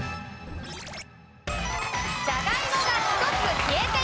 じゃがいもが１つ消えています。